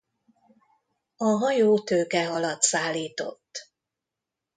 A hajó tőkehalat szállított.